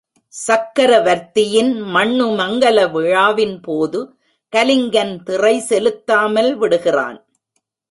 சக்கரவர்த்தியின் மண்ணு மங்கலவிழா வின் போது கலிங்கன் திறை செலுத்தாமல் விடுகிறான்.